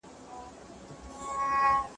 لاس مينځه؟!